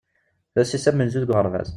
D ass-is amenzu deg uɣerbaz.